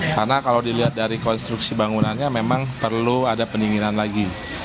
karena kalau dilihat dari konstruksi bangunannya memang perlu ada pendinginan lagi